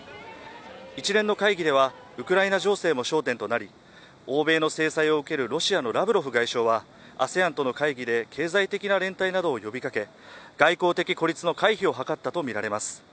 一連の会議ではウクライナ情勢も焦点となり欧米の制裁を受けるロシアのラブロフ外相はＡＳＥＡＮとの会議で、経済的な連帯などを呼びかけ外交的孤立の回避を図ったとみられます。